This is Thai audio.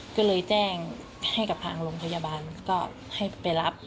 ก็เลยแจ้งให้กับทางโรงพยาบาลก็ให้ไปรับ